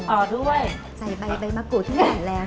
เอาด้วย